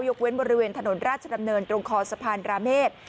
เว้นบริเวณถนนราชดำเนินตรงคอสะพานราเมฆ